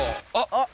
あっ！